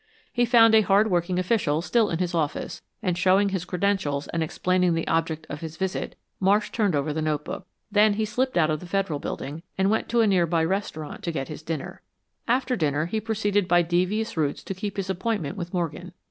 He found a hard working official still in his office, and showing his credentials and explaining the object of his visit, Marsh turned over the notebook. Then he slipped out of the Federal Building, and went to a nearby restaurant to get his dinner. After dinner he proceeded by devious routes to keep his appointment with Morgan.